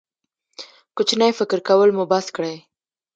کوچنی فکر کول مو بس کړئ.